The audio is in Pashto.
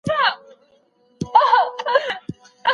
ته باید د ساینسي دقت په اړه ډېر معلومات ولرې.